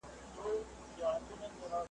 چي نجات له ابوجهله رانصیب کړي `